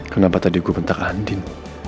kenapa tadi gue bentang andin